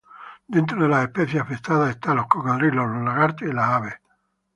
Dentro de las especies afectadas están cocodrilos, lagartos y aves.